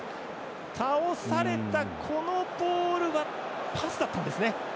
倒されたこのボールはパスだったんですね。